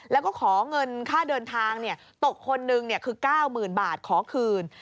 แล้วก็ของเงินค่าเดินทางเนี่ยตกคนหนึ่งเนี่ยคือ๙๐๐๐๐บาทขอคืน